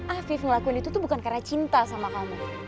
afif ngelakuin itu tuh bukan karena cinta sama kamu